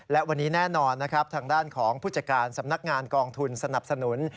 และวันนี้แน่นอนนะครับทางด้านของผู้จัดการสำนักงานกองทุนสนับสนุน